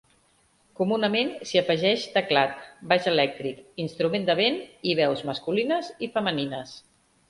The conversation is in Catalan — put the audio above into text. Comunament s'hi afegeix teclat, baix elèctric, instruments de vent i veus masculines i femenines.